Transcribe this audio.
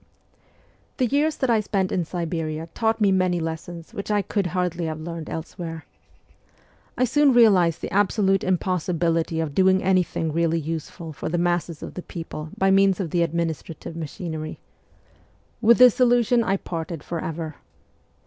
The years that I spent in Siberia taught me many lessons which I could hardly have learned elsewhere. I soon realized the absolute impossibility of doing any thing really useful for the masses of the people by means of the administrative machinery. With this 250 MEMOIRS OF A REVOLUTIONIST illusion I parted for ever.